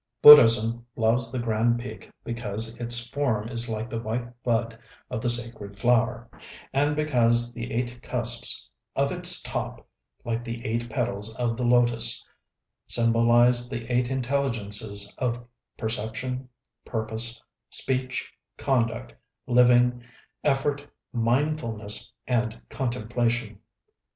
Buddhism loves the grand peak because its form is like the white bud of the Sacred Flower, and because the eight cusps of its top, like the eight petals of the Lotos, symbolize the Eight Intelligences of Perception, Purpose, Speech, Conduct, Living, Effort, Mindfulness, and Contemplation.